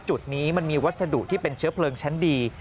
จุดนี้มันมีวัสดุที่เป็นเชื้อเพลิงชั้นดี